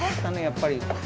やっぱり。